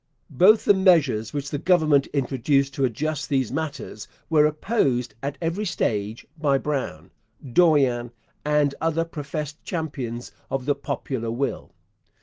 Both the measures which the Government introduced to adjust these matters were opposed at every stage by Brown, Dorion, and other professed champions of the popular will.